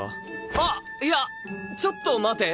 あいやちょっと待て。